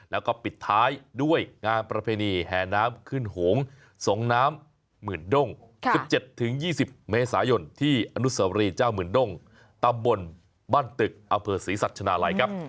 แล้วก็ปิดท้ายด้วยงานประเพณีแห่น้ำขึ้นโหงสงน้ำหมื่นด้ง๑๗๒๐เมษายนที่อนุสวรีเจ้าหมื่นด้งตำบลบ้านตึกอำเภอศรีสัชนาลัยครับ